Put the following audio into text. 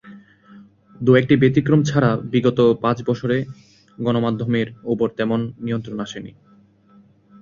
দু-একটি ব্যতিক্রম ছাড়া বিগত পাঁচ বছরে গণমাধ্যমের ওপর তেমন নিয়ন্ত্রণ আসেনি।